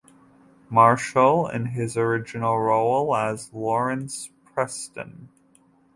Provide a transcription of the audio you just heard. Marshall in his original role as Lawrence Preston.